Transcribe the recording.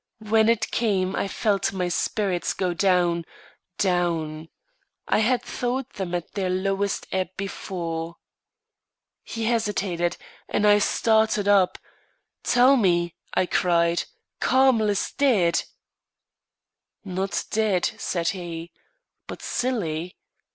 When it came, I felt my spirits go down, down I had thought them at their lowest ebb before. He hesitated, and I started up: "Tell me," I cried. "Carmel is dead!" "Not dead," said he, "but silly.